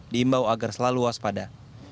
diimbau agar selalu waspada